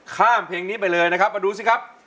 ข้ามเพลงนี้ไปเลยนะครับมาดูสิครับ